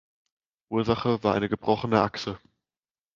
Ursache war eine gebrochene Achse.